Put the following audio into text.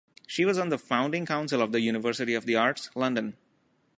She was on the founding Council of the University of the Arts, London.